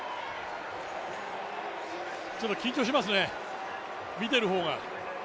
ちょっと緊張しますね、見てる方が。